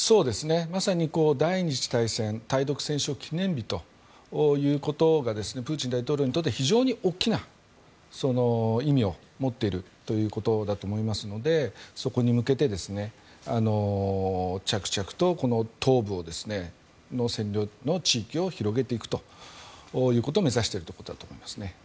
まさに第２次大戦対独戦勝記念日ということがプーチン大統領にとっては非常に大きな意味を持っているということだと思いますのでそこに向けて着々とこの東部の占領の地域を広げていくということを目指しているんだと思いますね。